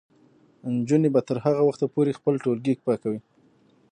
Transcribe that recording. نجونې به تر هغه وخته پورې خپل ټولګي پاکوي.